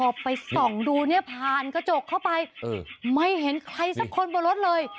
ออกไปส่องดูเนี่ยผ่านกระจกเข้าไปเออไม่เห็นใครสักคนบนรถเลย